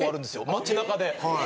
街中で。